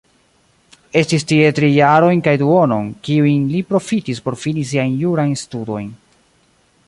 Estis tie tri jarojn kaj duonon, kiujn li profitis por fini siajn jurajn studojn.